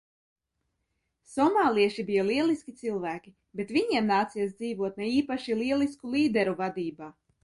Somālieši bija lieliski cilvēki, bet viņiem nācies dzīvot ne īpaši lielisku līderu vadībā.